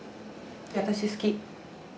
私好き！